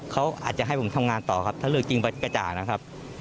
เขาอาจจะให้ผมทำงานต่อครับถ้าเลิกจริงไปกระจ่างนะครับ